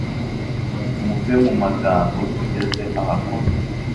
muve mu magambo tugeze ahakomeye